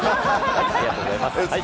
ありがとうございます。